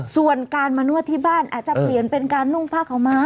ส่วนการมานวดที่บ้านอาจจะเปลี่ยนเป็นการนุ่งผ้าขาวม้า